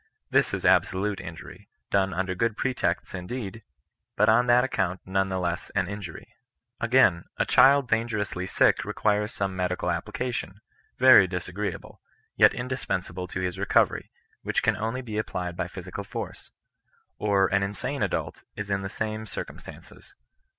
This is absolute injury, done under good pretexts indeed, but on that account none the less an injv/ry. Again; a child dangerously sick requires some medical application, very disagreeable, yet indis pensable to his recovery, which can only be applied by physical force. Or an insane adult is in the same cir 'cumstances.